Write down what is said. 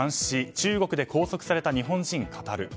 中国で拘束された日本人、語る。